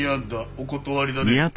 お断りだね。